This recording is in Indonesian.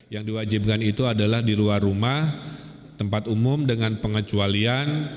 yang diwajibkan itu adalah di luar rumah tempat umum dengan pengecualian